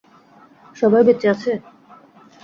সবাই বেঁচে আছে?